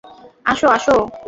আসো, আসো।